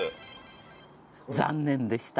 残念でした。